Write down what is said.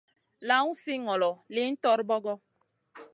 Lawn si ŋolo, lihn torbogo.